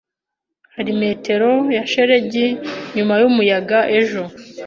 Hari metero ya shelegi nyuma yumuyaga ejo.